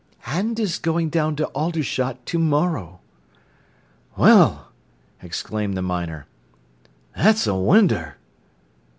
"And is going down to Aldershot to morrow." "Well!" exclaimed the miner. "That's a winder."